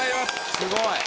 すごい。